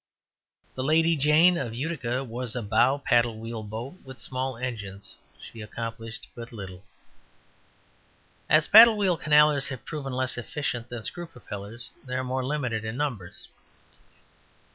The Lady Jane, of Utica, was a bow paddle wheel boat with small engines. She accomplished but little. As paddle wheel canallers have proven less efficient than screw propellers they are more limited in numbers.